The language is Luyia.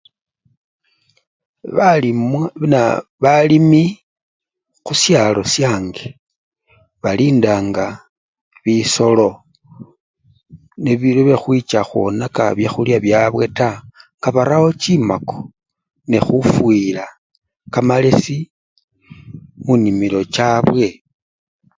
Balimu! naa! balimi khusyalo syange, balindanga bisolo nebilobe khwicha khwonaka bilimwa byabwe taa nga barawo chimako nekhufuyila kamalesi munimilo chabwe.